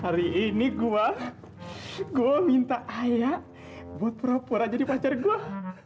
hari ini gue gue minta ayah buat pura pura jadi pacar gue